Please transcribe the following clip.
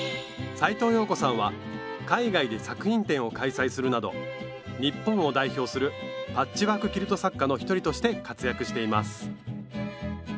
斉藤謠子さんは海外で作品展を開催するなど日本を代表するパッチワーク・キルト作家の一人として活躍しています